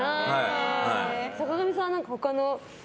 坂上さん、他の。